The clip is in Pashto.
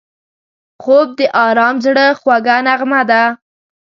خوب د آرام زړه خوږه نغمه ده